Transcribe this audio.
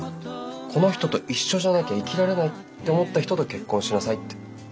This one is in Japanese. この人と一緒じゃなきゃ生きられないって思った人と結婚しなさい」って。